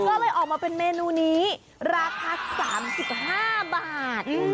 ก็เลยออกมาเป็นเมนูนี้ราคา๓๕บาท